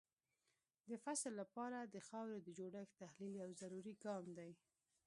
د فصل لپاره د خاورې د جوړښت تحلیل یو ضروري ګام دی.